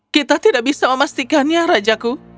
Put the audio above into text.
kita tidak bisa memastikannya rajaku